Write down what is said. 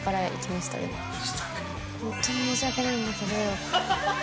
「ホントに申し訳ないんだけど」。